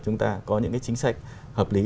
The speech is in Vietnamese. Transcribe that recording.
chúng ta có những cái chính sách hợp lý